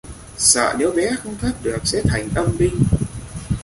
Sợ nếu bé không thoát được sẽ thành âm binh